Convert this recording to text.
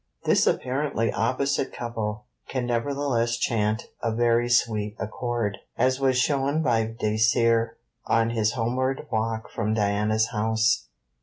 This apparently opposite couple can nevertheless chant a very sweet accord, as was shown by Dacier on his homeward walk from Diana's house.